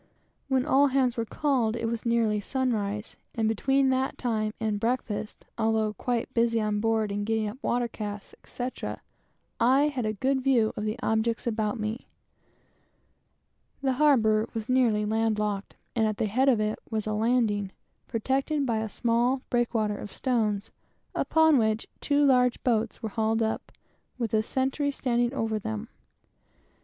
When all hands were called it was nearly sunrise, and between that time and breakfast, although quite busy on board in getting up water casks, etc., I had a good view of the objects about me. The harbor was nearly land locked, and at the head of it was a landing place, protected by a small breakwater of stones, upon which two large boats were hauled up, with a sentry standing over them.